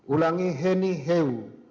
ulangi heni heu